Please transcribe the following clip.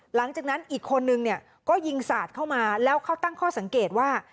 หลังจากนั้นอีกคนนึงเนี่ยก็ยิงสาดเข้ามาแล้วเขาตั้งข้อสังเกตว่า